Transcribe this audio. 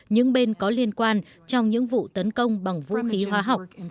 những bên có liên quan trong những vụ tấn công bằng vũ khí hóa học